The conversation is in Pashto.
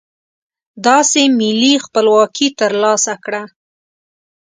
داسې ملي خپلواکي ترلاسه کړه.